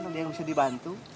ada yang bisa dibantu